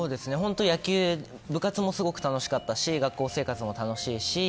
野球、部活もすごく楽しかったし学校生活も楽しいし。